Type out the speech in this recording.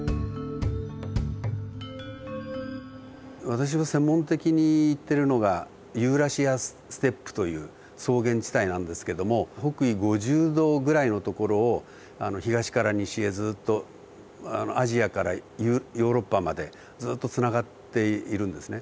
私は専門的にいってるのがユーラシアステップという草原地帯なんですけども北緯５０度ぐらいの所を東から西へずっとアジアからヨーロッパまでずっとつながっているんですね。